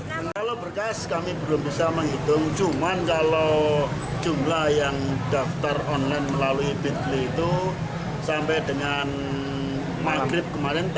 kalau berkas kami belum bisa menghitung cuman kalau jumlah yang daftar online melalui bitly itu sampai dengan maghrib kemarin